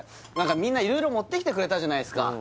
みんな色々持ってきてくれたじゃないですか